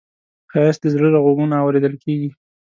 ښایست د زړه له غوږونو اورېدل کېږي